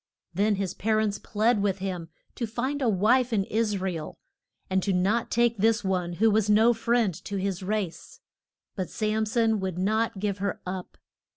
Then his pa rents plead with him to find a wife in Is ra el, and not to take this one who was no friend to his race. But Sam son would not give her up.